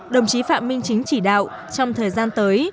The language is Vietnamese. đồng chí phạm minh chính chỉ đạo trong thời gian tới